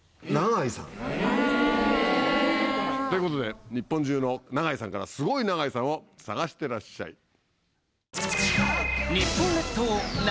「永井さん」。ということで日本中の永井さんからスゴい永井さんを探してらっしゃい。